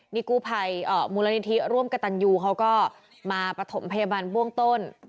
นี่กู้ภัยมูลนิธิร่วมกระตันยูเขาก็มาประถมพยาบาลเบื้องต้น